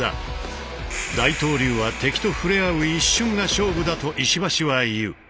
大東流は敵と触れ合う一瞬が勝負だと石橋は言う。